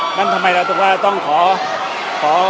ฉะนั้นทำไมเราอาจต้องขอพี่สุภาชนมนต์